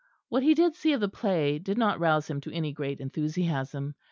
What he did see of the play did not rouse him to any great enthusiasm.